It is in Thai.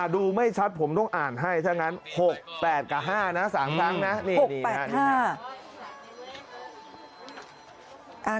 ดูไม่ชัดผมต้องอ่านให้ถ้างั้น๖๘กับ๕นะ๓ครั้งนะนี่